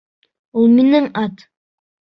Ул минең ат!